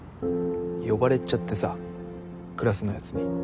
呼ばれちゃってさクラスのやつに。